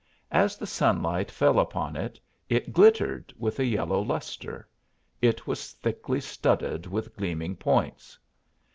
As the sunlight fell upon it it glittered with a yellow luster it was thickly studded with gleaming points.